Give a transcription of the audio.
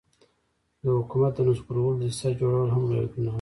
د حکومت د نسکورولو دسیسه جوړول هم لویه ګناه وه.